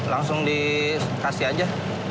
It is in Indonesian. langsung dikasih aja